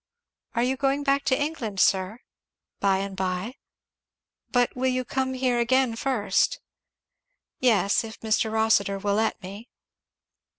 "Are you going back to England, sir?" "By and by." "But you will come here again first?" "Yes if Mr. Rossitur will let me."